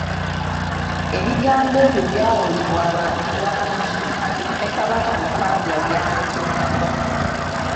Ebigambo ebyo byawulirwa abantu bangi, ne Kabaka Mukaabya byamutuukako.